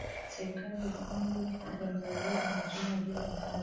serikali ya congo brazaville ametuma ujumbe maalum